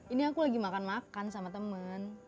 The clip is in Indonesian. ini aku lagi makan makan sama temen